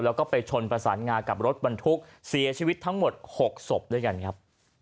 แล้วก็ไปชนประสานงากับรถบรรทุกเสียชีวิตทั้งหมด๖ศพด้วยกันครับ